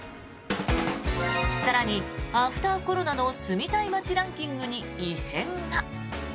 更にアフターコロナの住みたい街ランキングに異変が。